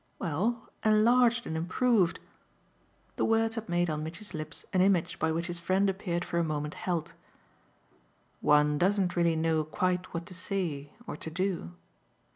"Well, enlarged and improved." The words had made on Mitchy's lips an image by which his friend appeared for a moment held. "One doesn't really know quite what to say or to do."